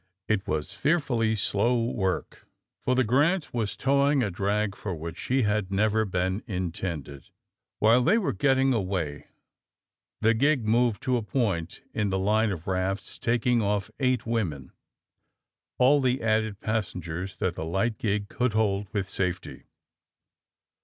It was fearfully slow work, for the ^' Grant" was towing a drag for which she had never been intended. While they were getting away the gig moved to a point in the line of rafts, taking off eight women — all the added passengers that the light gig could hold with safety.